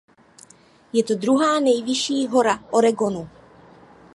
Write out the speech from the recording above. Je to druhá nejvyšší hora Oregonu.